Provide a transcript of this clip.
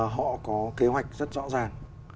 họ có kế hoạch rất rõ ràng